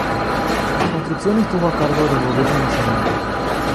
La construcción estuvo a cargo del Gobierno Nacional.